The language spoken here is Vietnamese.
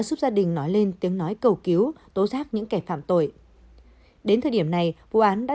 giúp gia đình nói lên tiếng nói cầu cứu tố giác những kẻ phạm tội đến thời điểm này vụ án đã